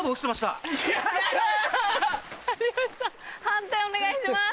判定お願いします。